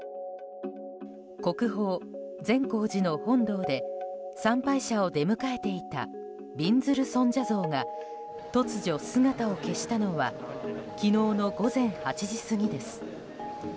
国宝・善光寺の本堂で参拝者を出迎えていたびんずる尊者像が突如、姿を消したのは昨日の午前８時過ぎです。